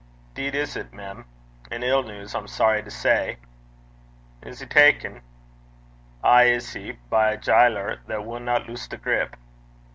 ''Deed is 't, mem. An' ill news, I'm sorry to say.' 'Is he ta'en?' 'Ay is he by a jyler that winna tyne the grup.'